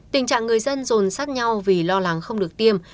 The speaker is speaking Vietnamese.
tình trạng người dân rồn sát nhau vì lo lắng không được tiêm